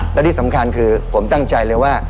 และที่สำคัญคือผมตั้งใจเลยว่า